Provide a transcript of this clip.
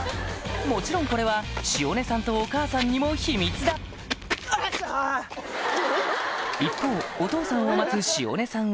もちろんこれは汐音さんとお母さんにも秘密だ一方お父さんを待つ汐音さんは